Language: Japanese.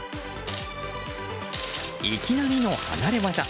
いきなりの離れ技。